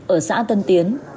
ở xã tân tiến